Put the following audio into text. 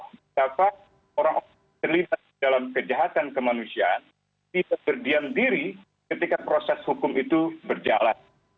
mengapa orang orang terlibat dalam kejahatan kemanusiaan tidak berdiam diri ketika proses hukum itu berjalan